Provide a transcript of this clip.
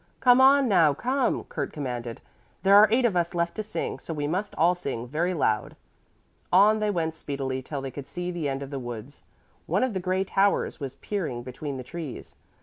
"Come on now, come!" Kurt commanded. "There are eight of us left to sing, so we must all sing very loud." On they went speedily till they could see the end of the woods. One of the gray towers was peering between the trees.